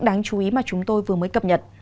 đáng chú ý mà chúng tôi vừa mới cập nhật